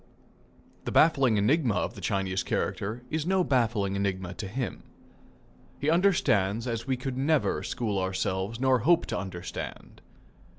The baffling enigma of the Chinese character is no baffling enigma to him. He understands as we could never school ourselves nor hope to understand.